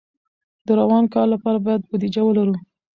د روان کال لپاره باید بودیجه ولرو.